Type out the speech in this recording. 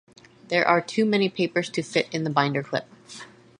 There are too many papers to fit in the binder clip.